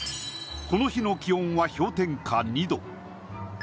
この日の気温は氷点下２度。